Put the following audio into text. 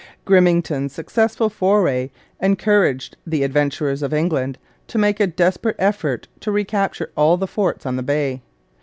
Grimmington's successful foray encouraged the 'Adventurers of England' to make a desperate effort to recapture all the forts on the Bay.